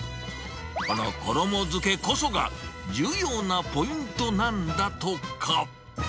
この衣づけこそが、重要なポイントなんだとか。